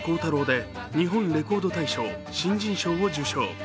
「走れコウタロー」で日本レコード大賞新人賞を受賞。